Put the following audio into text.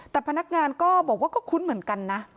แต่พนักงานก็บอกว่าก็คุ้นเหมือนกันนะ